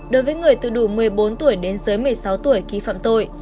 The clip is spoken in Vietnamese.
đối với người từ đủ một mươi bốn tuổi đến dưới một mươi sáu tuổi khi phạm tội